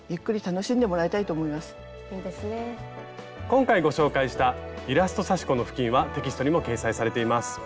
今回ご紹介した「イラスト刺し子のふきん」はテキストにも掲載されています。